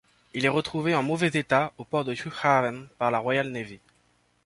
Il est retrouvé, en mauvais état, au port de Cuxhaven par la Royal Navy.